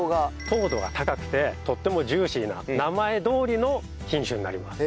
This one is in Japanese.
糖度が高くてとってもジューシーな名前どおりの品種になります。